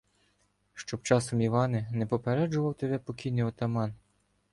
— Щоб часом, Іване, не попереджував тебе покійний отаман.